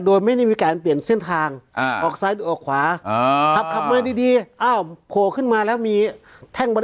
โดยไม่ได้มีการเปลี่ยนเส้นทาง